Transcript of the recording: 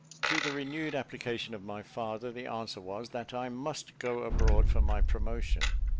To the renewed application of my father, the answer was that I must go abroad for my promotion.